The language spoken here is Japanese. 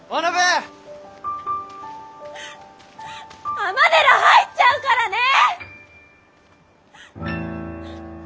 尼寺入っちゃうからねー！